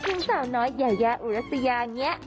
จริงสาวน้อยเยาแยอุตทโลศียาเนี่ย